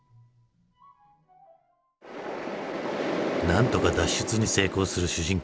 なんとか脱出に成功する主人公。